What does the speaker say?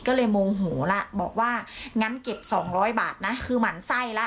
ก็เลยโมโหละบอกว่างั้นเก็บ๒๐๐บาทนะคือหมั่นไส้แล้ว